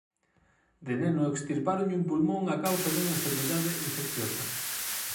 De neno extirpáronlle un pulmón a causa dunha enfermidade infecciosa.